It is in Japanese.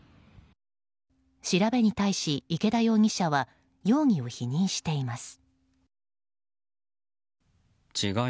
調べに対し、池田容疑者は容疑を否認しています。